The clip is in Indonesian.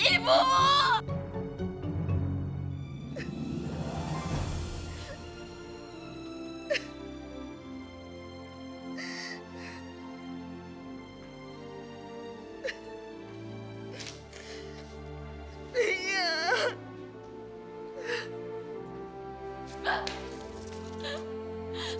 trim dimang antar mantar